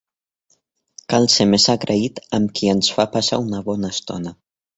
Cal ser més agraït amb qui ens fa passar una bona estona.